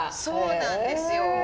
そうなんですよ。